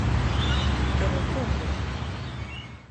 Que retumbe!